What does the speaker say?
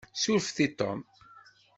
Surfet i Tom.